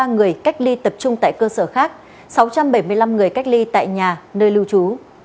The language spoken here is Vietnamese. một mươi chín trăm chín mươi ba người cách ly tập trung tại cơ sở khác sáu trăm bảy mươi năm người cách ly tại nhà nơi lưu trú